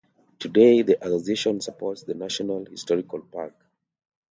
Today the association supports the National Historical Park.